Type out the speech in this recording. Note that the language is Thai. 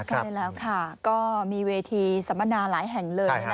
ใช่แล้วค่ะก็มีเวทีสัมมนาหลายแห่งเลย